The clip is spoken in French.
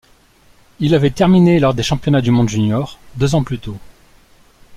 Il avait terminé lors des Championnats du monde juniors, deux ans plus tôt.